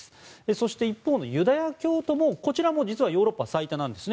そして一方でユダヤ教徒も実はヨーロッパ最多です。